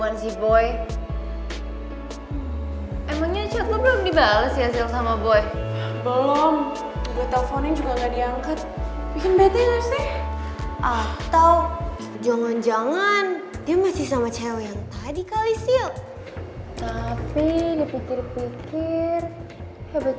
eh combro kalau ngeliat muka gua mulus gimana liat muka lu